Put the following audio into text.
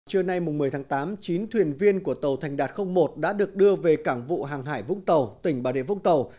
trưa nay một mươi tháng tám chín thuyền viên của tàu thành đạt một đã được đưa về cảng vụ hàng hải vũng tàu tỉnh bà địa vũng tàu